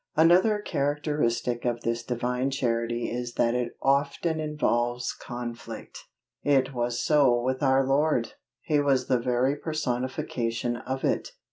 Another characteristic of this Divine Charity is, that it OFTEN INVOLVES CONFLICT. It was so with our Lord. He was the very personification of it.